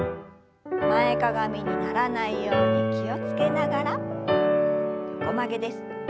前かがみにならないように気を付けながら横曲げです。